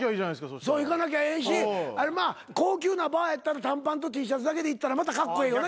そう行かなきゃええし高級なバーやったら短パンとＴシャツだけで行ったらまたカッコエエよね